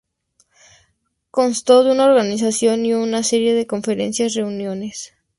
Constó de una organización y una serie de conferencias y reuniones.